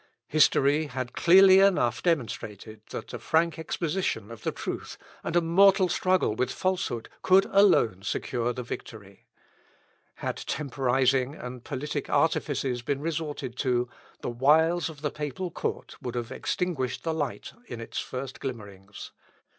History had clearly enough demonstrated, that a frank exposition of the truth, and a mortal struggle with falsehood, could alone secure the victory. Had temporising and politic artifices been resorted to, the wiles of the papal court would have extinguished the light in its first glimmerings.